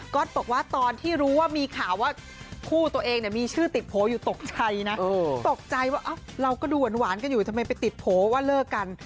อตบอกว่าตอนที่รู้ว่ามีข่าวว่าคู่ตัวเองเนี่ยมีชื่อติดโผล่อยู่ตกใจนะตกใจว่าเราก็ดูหวานกันอยู่ทำไมไปติดโผล่ว่าเลิกกัน